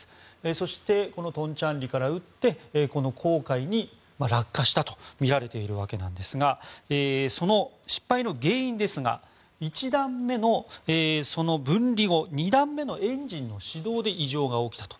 そしてこのトンチャンリから打って黄海に落下したとみられているわけなんですがその失敗の原因ですが１段目の分離後２段目のエンジンの始動で異常が起きたと。